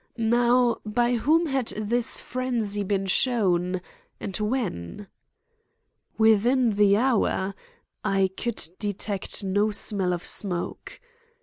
Now, by whom had this frenzy been shown, and when? Within the hour? I could detect no smell of smoke.